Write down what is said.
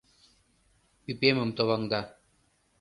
Ӱпемым товаҥда.